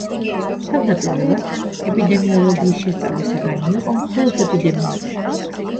თავდაპირველად, ეპიდემიოლოგიის შესწავლის საგანი იყო მხოლოდ ეპიდემიები.